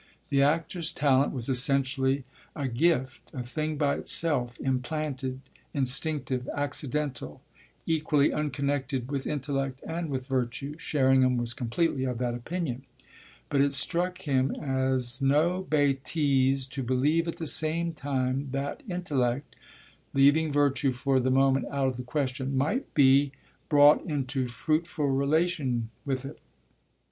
The actor's talent was essentially a gift, a thing by itself, implanted, instinctive, accidental, equally unconnected with intellect and with virtue Sherringham was completely of that opinion; but it struck him as no bêtise to believe at the same time that intellect leaving virtue for the moment out of the question might be brought into fruitful relation with it.